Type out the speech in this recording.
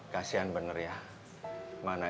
kasian bener ya